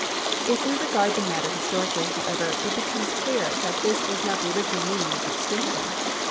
If we regard tlie matter historically, however, it becomes clear that this is not the original meaning of the distinction.